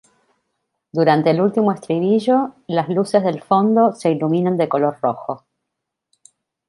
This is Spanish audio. Durante el último estribillo, las luces del fondo se iluminan de color rojo.